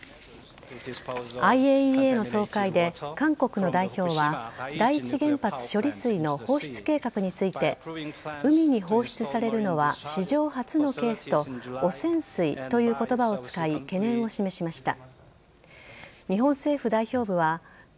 ＩＡＥＡの総会で、韓国の代表は第１原発処理水の放出計画について海に放置されるのは史上初のケースと汚染水という言葉を使い懸念を示しました。